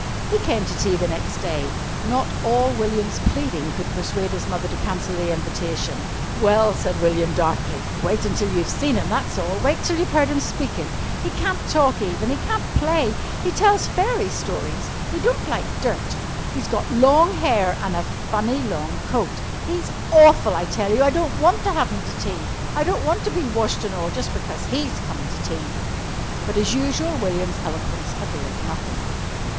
He came to tea the next day. Not all William's pleading could persuade his mother to cancel the invitation. "Well," said William darkly, "wait till you've seen him, that's all. Wait till you've heard him speakin'. He can't talk even. He can't play. He tells fairy stories. He don't like dirt. He's got long hair an' a funny long coat. He's awful, I tell you. I don't want to have him to tea. I don't want to be washed an' all just because he's comin' to tea." But as usual William's eloquence availed nothing.